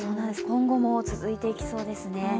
今後も続いていきそうですね。